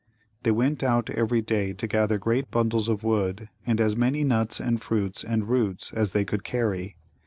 They went out every day to gather great bundles of wood and as many nuts and fruits and roots as they could carry.